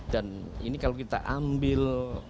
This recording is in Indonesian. dan ini kalau kita ambil